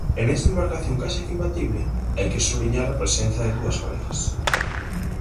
E nesa embarcación case que imbatible, hai que subliñar a presenza de dúas galegas.